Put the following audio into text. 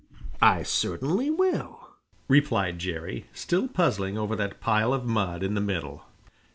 "I certainly will," replied Jerry, still puzzling over that pile of mud in the middle.